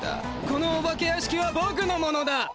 このお化け屋敷はボクのものだ！